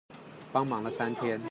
幫忙了三天